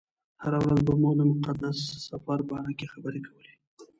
هره ورځ به مو د مقدس سفر باره کې خبرې کولې.